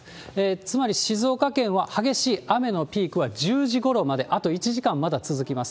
つまり静岡県は激しい雨のピークは１０時ごろまで、あと１時間、まだ続きます。